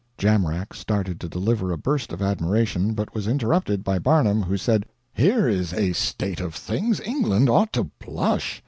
Jamrach started to deliver a burst of admiration, but was interrupted by Barnum, who said: "Here is a state of things! England ought to blush."